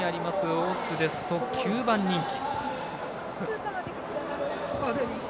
オッズですと、９番人気。